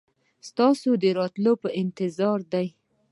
ستاسو د راتلو په انتظار دي.